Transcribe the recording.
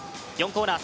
コーナー